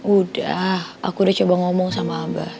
udah aku udah coba ngomong sama abah